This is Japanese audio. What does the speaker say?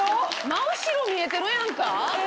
真後ろ見えてるやんか。